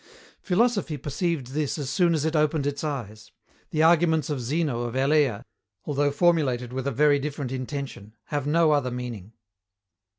Philosophy perceived this as soon as it opened its eyes. The arguments of Zeno of Elea, although formulated with a very different intention, have no other meaning.